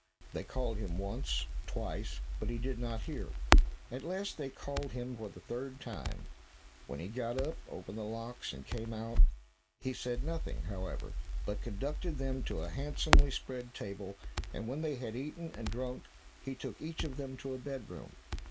They called him, once, twice, but he did not hear; at last they called him for the third time, when he got up, opened the locks, and came out. He said nothing, however, but conducted them to a handsomely spread table, and when they had eaten and drunk, he took each of them to a bedroom.